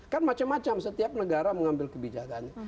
kan macam macam setiap negara mengambil kebijakannya